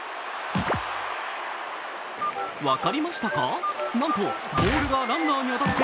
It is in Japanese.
分かりましたか？